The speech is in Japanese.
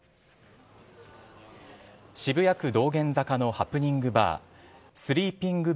渋谷区道玄坂のハプニングバー、スリーピング